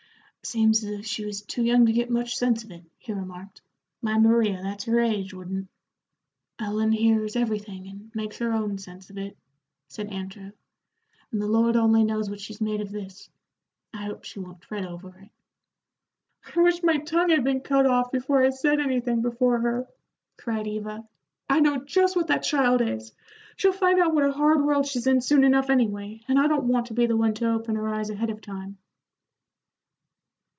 "Seems as if she was too young to get much sense of it," he remarked. "My Maria, that's her age, wouldn't." "Ellen hears everything and makes her own sense of it," said Andrew, "and the Lord only knows what she's made of this. I hope she won't fret over it." "I wish my tongue had been cut off before I said anything before her," cried Eva. "I know just what that child is. She'll find out what a hard world she's in soon enough, anyway, and I don't want to be the one to open her eyes ahead of time."